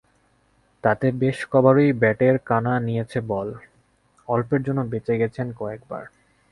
তাতে বেশ কবারই ব্যাটের কানা নিয়েছে বল, অল্পের জন্য বেঁচে গেছেন কয়েকবার।